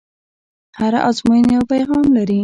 هره ازموینه یو پیغام لري.